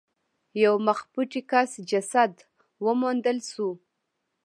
یو مخ پټي کس جسد وموندل شو.